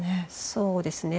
そうですね。